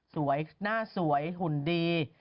สวยหน้าสวยหุ่นดี